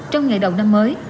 trong ngày đầu năm mới